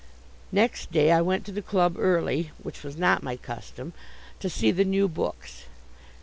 Next day I went to the club early (which was not my custom) to see the new books.